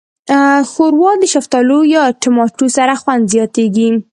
ښوروا د شفتالو یا ټماټو سره خوند زیاتیږي.